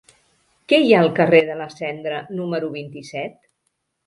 Què hi ha al carrer de la Cendra número vint-i-set?